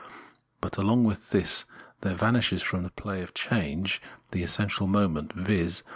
But along with this there vanishes from the play of change, the essential moment, viz.